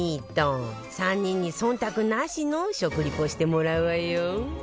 ３人に忖度なしの食リポしてもらうわよ